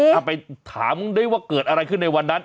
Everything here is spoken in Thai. เอาไปถามได้ว่าเกิดอะไรขึ้นในวันนั้น